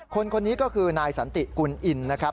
คนนี้ก็คือนายสันติกุลอินนะครับ